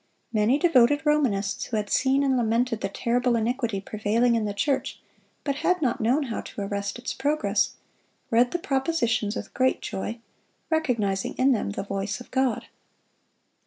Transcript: Many devoted Romanists, who had seen and lamented the terrible iniquity prevailing in the church, but had not known how to arrest its progress, read the propositions with great joy, recognizing in them the voice of God.